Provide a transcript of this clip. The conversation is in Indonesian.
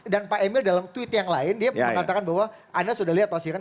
dan pak emil dalam tweet yang lain dia mengatakan bahwa anda sudah lihat pasti kan